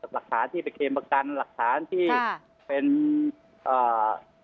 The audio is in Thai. หลักฐานที่ไปเคลมประกันหลักฐานที่ค่ะเป็นอ่า